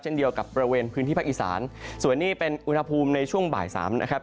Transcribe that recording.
เดียวกับบริเวณพื้นที่ภาคอีสานส่วนนี้เป็นอุณหภูมิในช่วงบ่ายสามนะครับ